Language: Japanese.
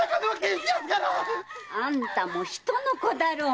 あんたも人の子だろう。